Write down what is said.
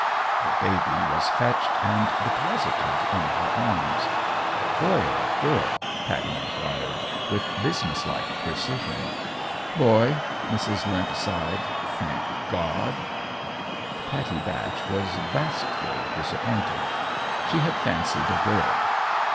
_" The baby was fetched and deposited in her arms. "Boy or girl?" Pattie inquired, with business like precision. "Boy," Mrs. Limp sighed, "thank God!" Pattie Batch was vastly disappointed. She had fancied a girl.